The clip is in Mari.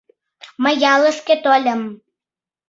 Мый ялышке тольым.